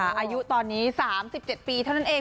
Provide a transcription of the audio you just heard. อายุตอนนี้๓๗ปีเท่านั้นเอง